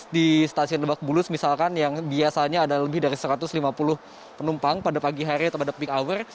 di stasiun lebak bulus misalkan yang biasanya ada lebih dari satu ratus lima puluh penumpang pada pagi hari atau pada peak hour